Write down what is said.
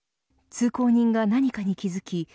通行人が何かに気付き